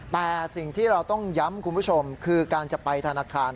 แต่สิ่งที่เราต้องย้ำคุณผู้ชมคือการจะไปธนาคาร